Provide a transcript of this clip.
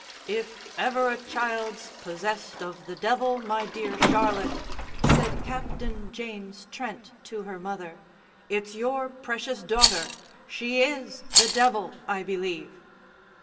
"If ever a child's possessed of the devil, my dear Charlotte," said Captain James Trent to her mother, "it's your precious daughter she is the devil, I believe."